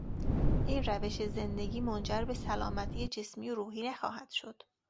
این روش زندگی منجربه سلامتی جسمی و روحی نخواهد شد.